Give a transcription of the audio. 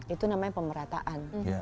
itu namanya pemerataan